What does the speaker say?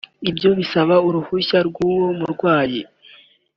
ibyo bisaba uruhushya rw’uwo murwayi